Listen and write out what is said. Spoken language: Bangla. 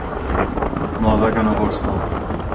মজা কেন করছো?